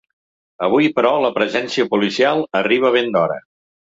Avui però la presència policial arriba ben d'hora.